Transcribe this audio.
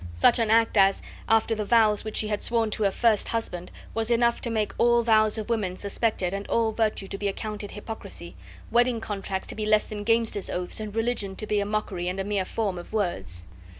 Such an act as, after the vows which she had sworn to her first husband, was enough to make all vows of women suspected and all virtue to be accounted hypocrisy, wedding contracts to be less than gamesters' oaths, and religion to be a mockery and a mere form of words.